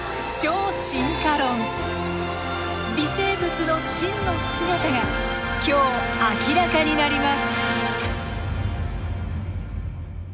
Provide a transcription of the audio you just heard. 微生物の真の姿が今日明らかになります。